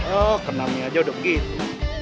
oh kenamnya aja udah begitu